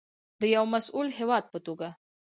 د یو مسوول هیواد په توګه.